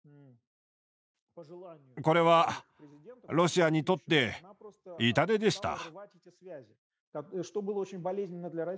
これはロシアにとって痛手でした。